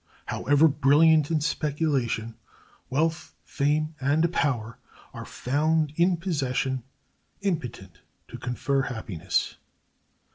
However brilliant in speculation wealth, fame, and power are found in possession impotent to confer happiness.